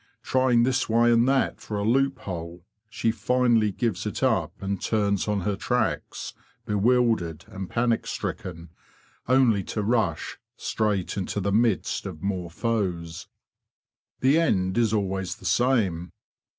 Trying this way and that for a loophole, 174 THE BEE MASTER OF WARRILOW she finally gives it up and turns on her tracks, bewildered and panic stricken, only to rush straight into the midst of more foes. The end is always the same.